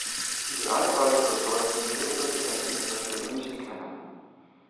Idealerweise sollten Lehrer die Eltern ihrer Schüler nicht kennen.